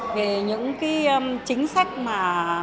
về những chính sách mà